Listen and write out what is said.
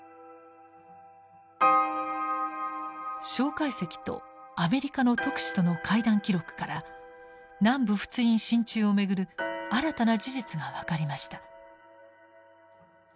介石とアメリカの特使との会談記録から南部仏印進駐を巡る新たな事実が分かりました。